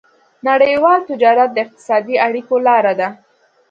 نړيوال تجارت د اقتصادي اړیکو لاره ده.